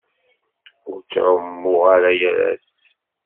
Ur ttɛummuɣ ara yal ass.